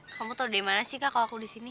kamu tau dari mana sih kak kalau aku disini